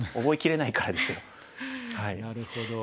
なるほど。